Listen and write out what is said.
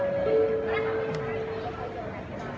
พี่แม่ที่เว้นได้รับความรู้สึกมากกว่า